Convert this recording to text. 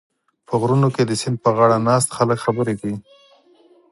په غرونو کې د سیند پرغاړه ناست خلک خبرې کوي.